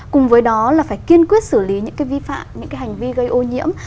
cùng với đó là phải kiên quyết xử lý những cái vi phạm những cái hành vi gây ô nhiễm